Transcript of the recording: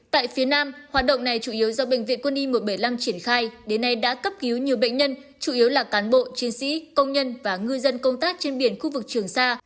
tại phía nam hoạt động này chủ yếu do bệnh viện quân y một trăm bảy mươi năm triển khai đến nay đã cấp cứu nhiều bệnh nhân chủ yếu là cán bộ chiến sĩ công nhân và ngư dân công tác trên biển khu vực trường sa